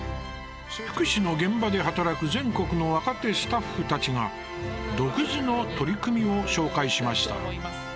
福祉の現場で働く全国の若手スタッフたちが独自の取り組みを紹介しました。